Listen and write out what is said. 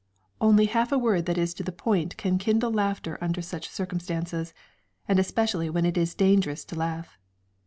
Only half a word that is to the point can kindle laughter under such circumstances, and especially when it is dangerous to laugh.